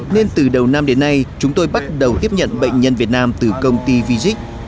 nên từ đầu năm đến nay chúng tôi bắt đầu tiếp nhận bệnh nhân việt nam từ công ty vigic